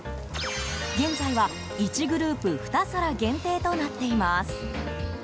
現在は１グループ２皿限定となっています。